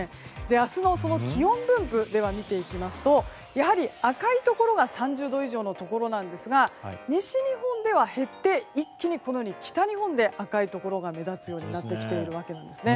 明日の気温分布を見ていきますとやはり、赤いところが３０度以上のところなんですが西日本では減って一気に北日本で赤いところが目立つようになってきているんですね。